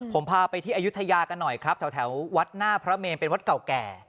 ผมพาไปที่อายุทยากันหน่อยครับแถววัดหน้าพระเมนเป็นวัดเก่าแก่